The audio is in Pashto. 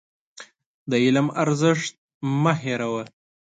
د علم ارزښت مه هېروه.